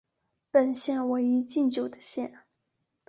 本县为一禁酒的县。